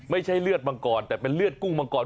ไม่ใช่เลือดมังกรแต่เป็นเลือดกุ้งมังกร